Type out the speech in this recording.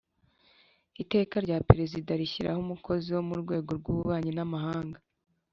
Iteka rya Perezida rishyiraho Umukozi wo mu rwego rw ububanyi n amahanga